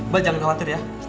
mak jangan khawatir ya